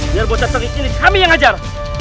biar bocah tengi ini kami yang ajar